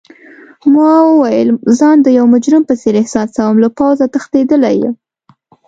ما وویل: ځان د یو مجرم په څېر احساسوم، له پوځه تښتیدلی یم.